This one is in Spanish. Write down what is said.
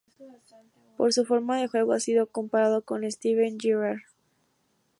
Por su forma de juego, ha sido comparado con Steven Gerrard.